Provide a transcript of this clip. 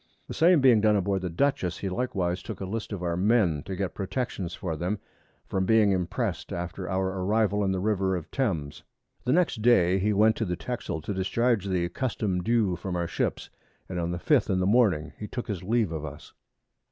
The same being done aboard the Dutchess, he likewise took a List of our Men to get Protections for them, from being impress'd after our Arrival in the River of Thames. The next Day he went to the Texel to discharge the Custom due from our Ships, and on the 5th in the Morning he took his Leave of us.